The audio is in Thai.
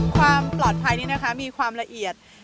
ความปลอดภัยนี้นะคะมีความละเอียด